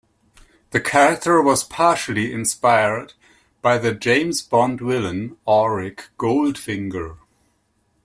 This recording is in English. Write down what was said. The character was partially inspired by the James Bond villain Auric Goldfinger.